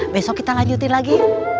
besok kita lanjutin lagi